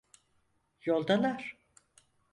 Yoldalar…